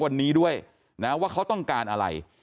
วันนี้ด้วยนะว่าเขาต้องการอะไร